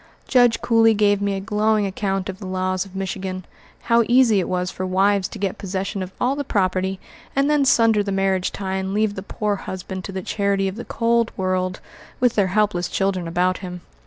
Judge Cooley gave me a glowing account of the laws of Michigan how easy it was for wives to get possession of all the property, and then sunder the marriage tie and leave the poor husband to the charity of the cold world, with their helpless children about him.